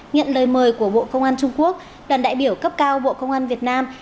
nhận lời mời của bộ công an trung quốc đoàn đại biểu cấp cao bộ công an việt nam